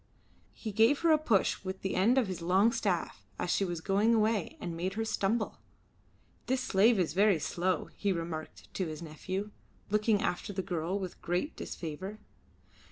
He gave her a push with the end of his long staff as she was going away and made her stumble. "This slave is very slow," he remarked to his nephew, looking after the girl with great disfavour.